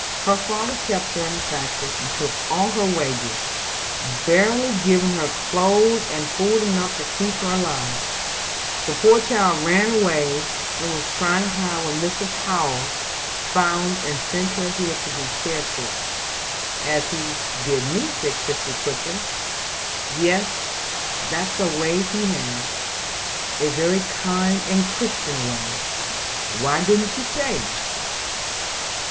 Her father kept her in a factory, and took all her wages, barely giving her clothes and food enough to keep her alive. The poor child ran away, and was trying to hide when Mr. Power found and sent her here to be cared for." "As he did me?" said Christie quickly. "Yes, that's a way he has." "A very kind and Christian way. Why didn't she stay?"